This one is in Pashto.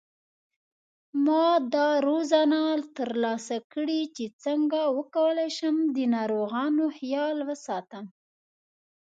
ما دا روزنه تر لاسه کړې چې څنګه وکولای شم د ناروغانو خیال وساتم